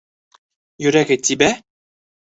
Йөрәге тибә?